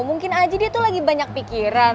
mungkin aja dia tuh lagi banyak pikiran